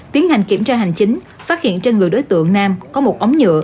tiến hành kiểm tra hành chính phát hiện trên người đối tượng nam có một ống nhựa